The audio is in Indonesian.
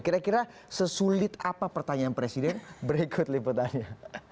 kira kira sesulit apa pertanyaan presiden berikut liputannya